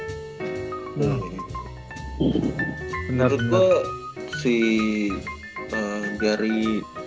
menurut gue si gary